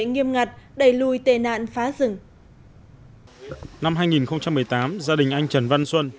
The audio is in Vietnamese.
nghiêm ngặt đẩy lùi tệ nạn phá rừng năm hai nghìn một mươi tám gia đình anh trần văn xuân